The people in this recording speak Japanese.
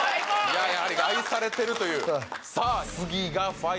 やはり愛されてるというさあ